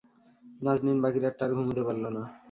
নাজনীন বাকি রাতটা আর ঘুমুতে পারল না।